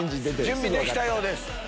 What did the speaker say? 準備できたようです。